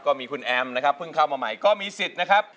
ก็มีคุณแอมนะครับเพิ่งเข้ามาใหม่ก็มีสิทธิ์นะครับ